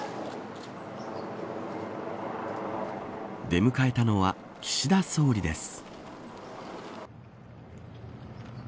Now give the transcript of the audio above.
出迎えたのは岸田総理です。